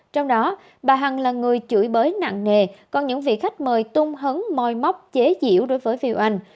trong đó bà hằng là người chửi bới nặng nghề còn những vị khách mời tung hấn mòi móc chế diễu đối với vy oanh